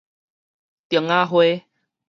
釘子花